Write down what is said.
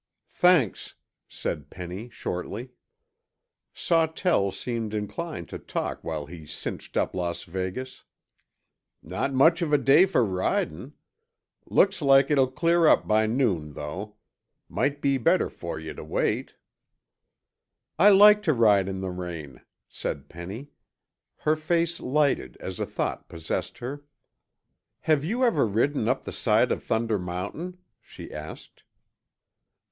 "Thanks," said Penny shortly. Sawtell seemed inclined to talk while he cinched up Las Vegas. "Not much of a day for ridin'. Looks like it'll clear up by noon, though. Might be better for you to wait." "I like to ride in the rain," said Penny. Her face lighted as a thought possessed her. "Have you ever ridden up the side of Thunder Mountain?" she asked.